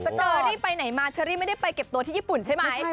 เชอรี่ไปไหนมาเชอรี่ไม่ได้ไปเก็บตัวที่ญี่ปุ่นใช่ไหม